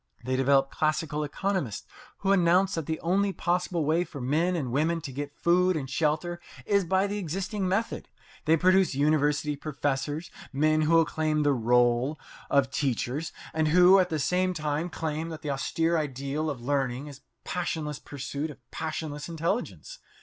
They develop classical economists who announce that the only possible way for men and women to get food and shelter is by the existing method. They produce university professors, men who claim the role of teachers, and who at the same time claim that the austere ideal of learning is passionless pursuit of passionless intelligence.